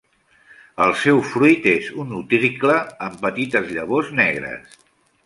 El seu fruit és un utricle amb petites llavors negres.